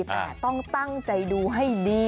แต่ต้องตั้งใจดูให้ดี